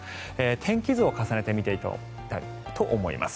天気図を重ねてみていきたいと思います。